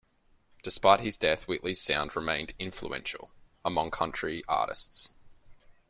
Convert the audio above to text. Despite his death, Whitley's sound remained influential among country artists.